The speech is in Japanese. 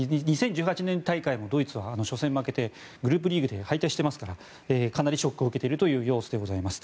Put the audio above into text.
２０１８年大会もドイツは初戦負けでグループリーグで敗退していますからかなりショックを受けている様子です。